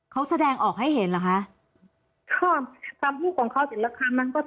เค้าแสดงออกให้เห็นหรอคะ